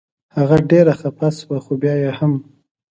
هغه ډېره خفه شوه خو بیا یې هم.